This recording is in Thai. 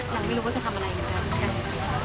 หลังไม่รู้ว่าจะทำอะไรนะครับ